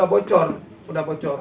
ini udah bocor